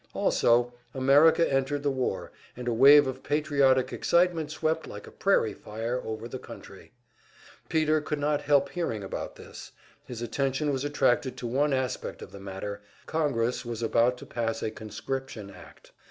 Also, America entered the war, and a wave of patriotic excitement swept like a prairie fire over the country. Peter could not help hearing about this; his attention was attracted to one aspect of the matter Congress was about to pass a conscription act.